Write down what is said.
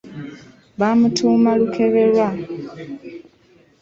Baamutuuma Lukeberwa.